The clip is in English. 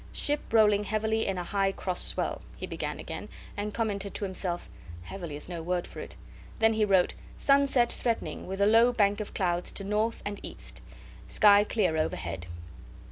"Ship rolling heavily in a high cross swell," he began again, and commented to himself, "Heavily is no word for it." Then he wrote: "Sunset threatening, with a low bank of clouds to N. and E. Sky clear overhead."